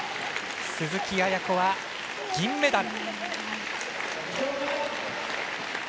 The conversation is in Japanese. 鈴木亜弥子は銀メダル。